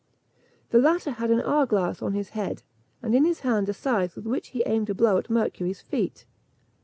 The latter had an hour glass on his head, and in his hand a scythe, with which he aimed a blow at Mercury's feet.